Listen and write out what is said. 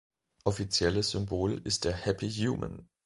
Offizielles Symbol ist der Happy Human.